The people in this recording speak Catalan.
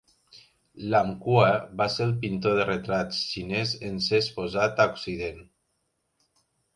Lam Qua va ser el pintor de retrats xinès en ser exposat a Occident.